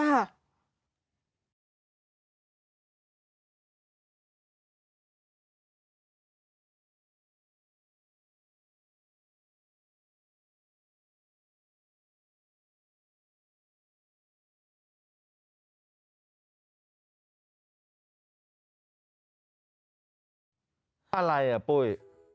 อะไรอ่ะปุ้ย